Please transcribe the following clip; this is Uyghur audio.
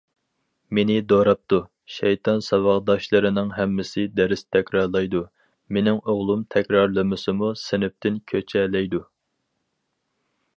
مېنى دوراپتۇ، شەيتان... ساۋاقداشلىرىنىڭ ھەممىسى دەرس تەكرارلايدۇ، مېنىڭ ئوغلۇم تەكرارلىمىسىمۇ سىنىپتىن كۆچەلەيدۇ.